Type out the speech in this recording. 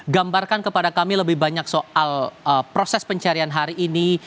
gambarkan kepada kami lebih banyak soal proses pencarian hari ini